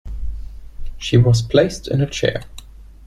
She was placed in a chair.